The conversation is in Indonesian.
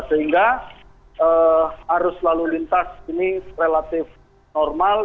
sehingga arus lalu lintas ini relatif normal